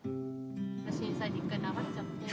震災で１回流れちゃって。